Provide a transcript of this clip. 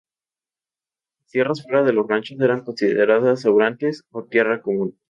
Las tierras fuera de los ranchos eran consideradas "sobrantes", o tierra común.